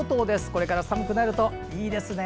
これから寒くなるといいですね。